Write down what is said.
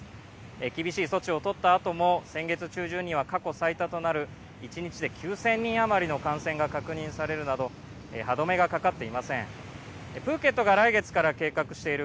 厳しい措置をとったあとも先月中旬には過去最多となる１日で９０００人余りの感染が確認されるなど歯止めがかかっていません。